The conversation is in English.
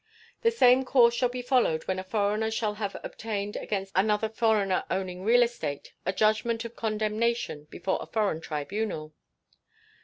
The same course shall be followed when a foreigner shall have obtained against another foreigner owning real estate a judgment of condemnation before a foreign tribunal.